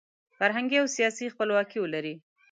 فرهنګي او سیاسي خپلواکي ولري.